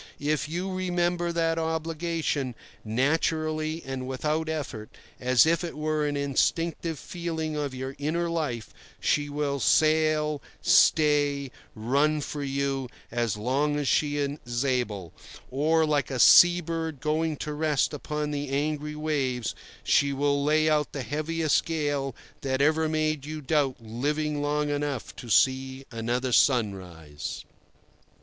If you remember that obligation, naturally and without effort, as if it were an instinctive feeling of your inner life, she will sail, stay, run for you as long as she is able, or, like a sea bird going to rest upon the angry waves, she will lay out the heaviest gale that ever made you doubt living long enough to see another sunrise.